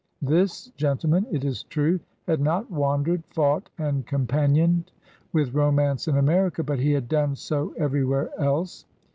This gentleman, it is true, had not wandered, fought, and companioned with romance in America, but he had done so everywhere else.